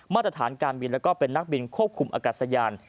มาตรฐานการบินและก็เป็นนักบินควบคุมอากัติสัญญาณ